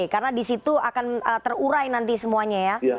karena di situ akan terurai nanti semuanya ya